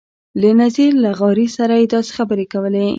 له نذیر لغاري سره یې داسې خبرې کولې.